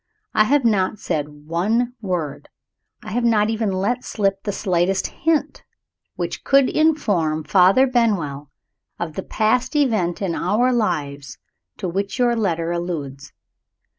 I have not said one word I have not even let slip the slightest hint which could inform Father Benwell of that past event in our lives to which your letter alludes.